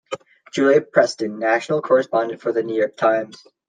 Julia Preston, national correspondent for The New York Times.